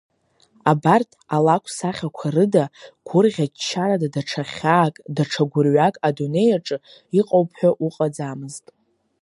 Абарҭ алакә сахьақәа рыда гәырӷьа-ччарада даҽа хьаак, даҽа гәырҩак адунеи аҿы иҟоуп ҳәа уҟаӡамызт.